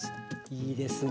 いいですね。